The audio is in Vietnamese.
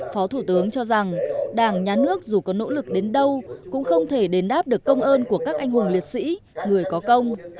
phó thủ tướng cho rằng đảng nhà nước dù có nỗ lực đến đâu cũng không thể đền đáp được công ơn của các anh hùng liệt sĩ người có công